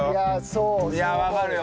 いやわかるよ。